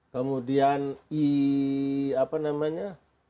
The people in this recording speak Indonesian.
kemudian i apa namanya